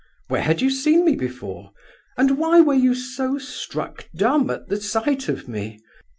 Where had you seen me before? And why were you so struck dumb at the sight of me?